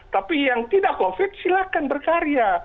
tapi yang tidak covid silahkan berkarya